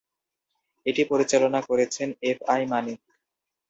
এটি পরিচালনা করেছেন এফ আই মানিক।